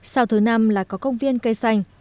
sao thứ năm là có công viên cây xanh